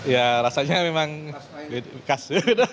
ya rasanya memang kas